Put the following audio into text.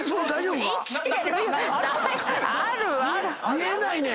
見えないねん。